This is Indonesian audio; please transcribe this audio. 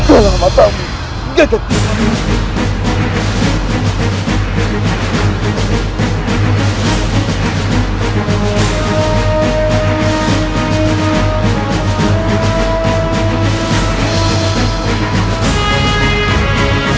kau tak dapat menangani saya